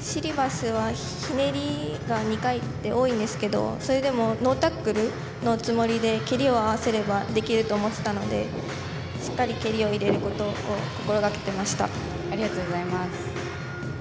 シリバスはひねりが２回と多いんですけどそれでもノータックルのつもりで蹴りを合わせればできると思っていたのでしっかり蹴りを入れることを心がけていました。